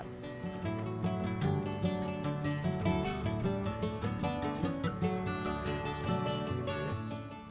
pengalaman pengelolaan restoran denusa ii